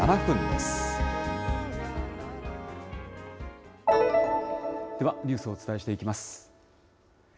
では、ニュースをお伝えしていきます。